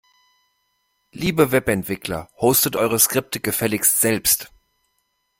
Liebe Webentwickler, hostet eure Skripte gefälligst selbst!